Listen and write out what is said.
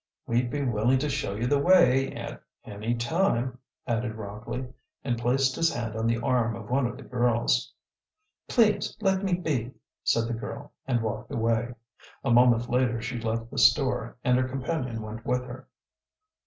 "We'd be willing to show you the way at any time," added Rockley, and placed his hand on the arm of one of the girls. "Please let me be," said the girl, and walked away. A moment later she left the store, and her companion went with her.